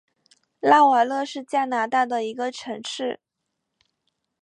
拉瓦勒是加拿大的一个城市。